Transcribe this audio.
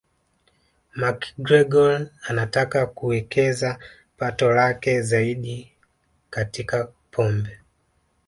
McGregor anataka kuwekeza pato lake zaidi akatika pombe